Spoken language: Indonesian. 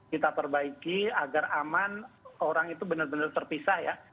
kita perbaiki agar aman orang itu benar benar terpisah ya